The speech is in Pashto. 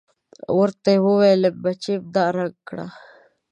ورته يې وويل بچېم دا رنګ کړه.